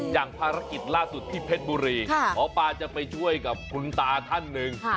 อย่างภารกิจล่าสุดที่เพชรบุรีหมอปลาจะไปช่วยกับคุณตาท่านหนึ่ง